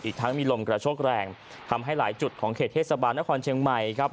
ทั้งมีลมกระโชคแรงทำให้หลายจุดของเขตเทศบาลนครเชียงใหม่ครับ